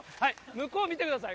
向こう見てください。